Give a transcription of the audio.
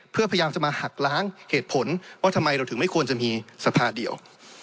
เพื่อพยายามจะมาหักล้างเหตุผลว่าทำไมเราถึงไม่ควรจะมีสภาเดียว